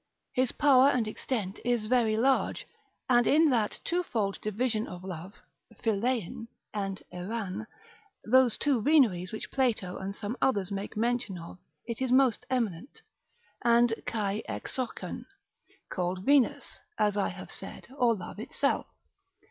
His power and extent is very large, and in that twofold division of love, φιλεῖν and ἐρᾶν those two veneries which Plato and some other make mention of it is most eminent, and κατ' ἐξοχὴν called Venus, as I have said, or love itself.